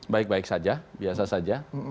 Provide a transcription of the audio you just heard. baik baik saja biasa saja